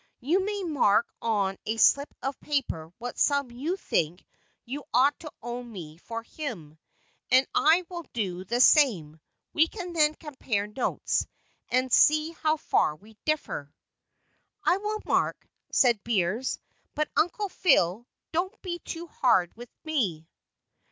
You may mark on a slip of paper what sum you think you ought to owe me for him, and I will do the same; we can then compare notes, and see how far we differ." "I will mark," said Beers, "but, Uncle Phile, don't be too hard with me."